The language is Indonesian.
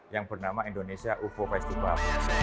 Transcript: yang bernama indonesia ufo festival